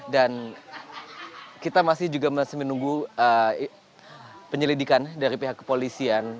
dan kita masih juga masih menunggu penyelidikan dari pihak kepolisian